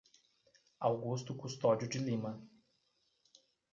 Augusto Custodio de Lima